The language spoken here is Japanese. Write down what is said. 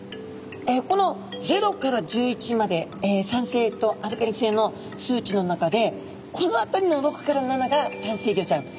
この０から１１まで酸性とアルカリ性の数値の中でこの辺りの６から７が淡水魚ちゃん。